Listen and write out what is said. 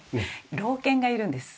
老犬がいるんです。